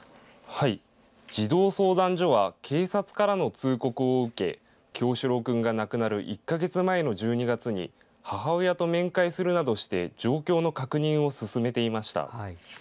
児童相談所は警察からの通告を受け、叶志郎君が亡くなる１か月前の１２月に母親と面会するなどして状況の確認を進めていました。